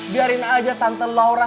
biarin aja tante lama